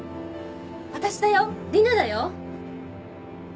私だよ理那だよ。